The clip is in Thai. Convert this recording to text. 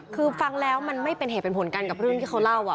คือฟังแล้วมันไม่เป็นเหตุเป็นผลกันกับเรื่องที่เขาเล่า